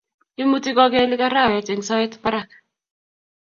Imuti kogelik arawet eng soet barak